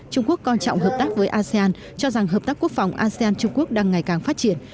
trung quốc coi trọng hợp tác với asean cho rằng hợp tác quốc phòng asean trung quốc đang ngày càng phát triển